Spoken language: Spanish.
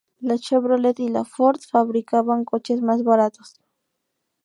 La Chevrolet y la Ford fabricaban coches más baratos.